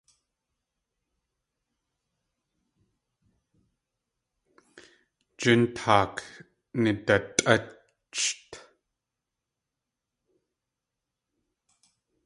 Jintaak nidatʼácht!